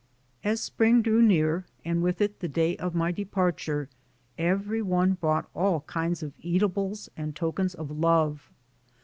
As spring drew near and with it the day of my departure, every one brought all kinds of eatables and tokens of love.